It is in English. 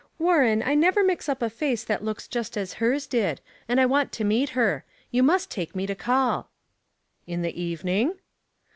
" Warren, I never mix up a face that looks just as hers did ; and I want to meet her. You must take me to call." " In the evening